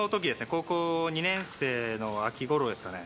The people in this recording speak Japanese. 高校２年生の秋ごろですかね。